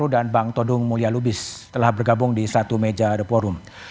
dan bang todung mulia lubis telah bergabung di satu meja the forum